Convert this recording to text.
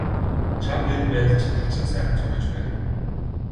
Чамд энэ байдал чинь хачин сайхан зохиж байна.